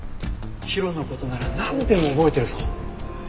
ヒロの事ならなんでも覚えてるぞ。